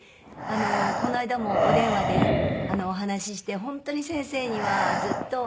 この間もお電話でお話しして本当に先生にはずっと。